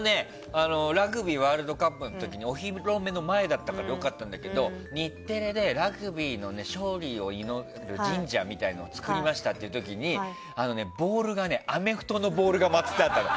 ラグビーワールドカップの時にお披露目の前だったから良かったんだけど、日テレでラグビーの勝利を祈る神社を作りましたっていう時にボールがアメフトのボールが祭ってあったの。